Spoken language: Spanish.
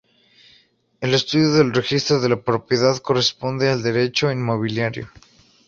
El estudio del Registro de la Propiedad corresponde al derecho inmobiliario.